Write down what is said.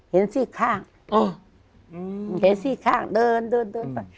ซี่ข้างอ๋อเห็นซี่ข้างเดินเดินเดินไป